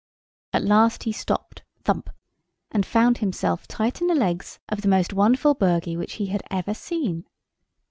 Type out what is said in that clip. At last he stopped—thump! and found himself tight in the legs of the most wonderful bogy which he had ever seen.